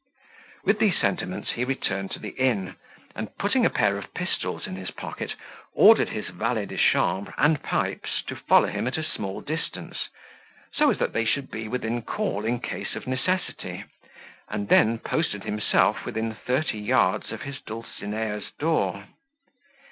With these sentiments he returned to the inn, and, putting a pair of pistols in his pocket, ordered his valet de chambre and Pipes to follow him at a small distance, so as that they should be within call in case of necessity, and then posted himself within thirty yards of his dulcinea's door.